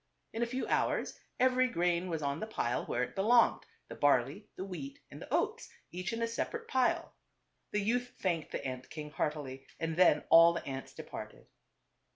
In a few hours every grain was on the pile where it belonged; the barley, the wheat and the oats, each in a separate pile. The youth thanked the ant king heartily, and then all the ants departed.